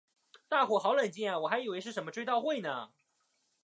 大伙好冷静啊我还以为是什么追悼会呢